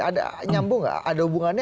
ada nyambung nggak ada hubungannya